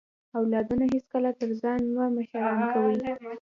اولادونه هیڅکله تر ځان مه مشران کوئ